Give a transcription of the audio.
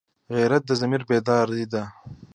غیرت د ضمیر بیداري ده